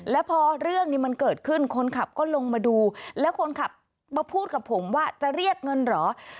แล้วพอเรื่องนี้มันเกิดขึ้นคนขับก็ลงมาดูแล้วคนขับมาพูดกับผมว่าจะเรียกเงินเหรอ